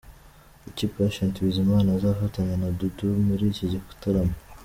Kuki Patient Bizimana azafatanya na Dudu muri iki gitaramo?.